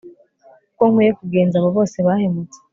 uko nkwiye kugenza abo bose bahemutse